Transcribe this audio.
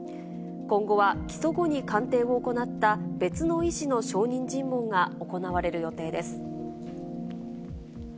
今後は起訴後に鑑定を行った別の医師の証人尋問が行われる予定です。